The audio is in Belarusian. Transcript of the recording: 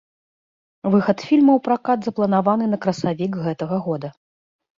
Выхад фільма ў пракат запланаваны на красавік гэтага года.